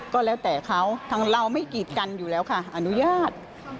ก็แล้วแต่เขาทางเราไม่กีดกันอยู่แล้วค่ะอนุญาต